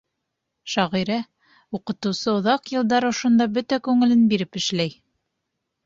Шағирә, уҡытыусы оҙаҡ йылдар ошонда бөтә күңелен биреп эшләй.